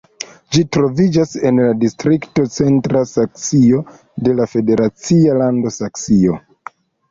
Ĝi troviĝas en la distrikto Centra Saksio de la federacia lando Saksio.